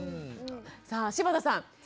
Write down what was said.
さあ柴田さん。